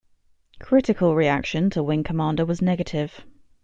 Critical reaction to "Wing Commander" was negative.